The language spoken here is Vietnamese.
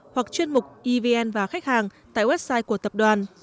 hoặc chuyên mục evn và khách hàng tại website của tập đoàn